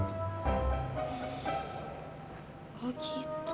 makanya gue terpaksa mau traktir si angel